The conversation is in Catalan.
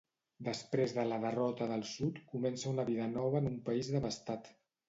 Després de la derrota del sud comença una vida nova en un país devastat.